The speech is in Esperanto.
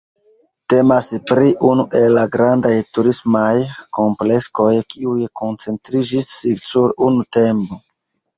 Temas pri unu el la grandaj turismaj kompleksoj kiuj koncentriĝis sur unu temo.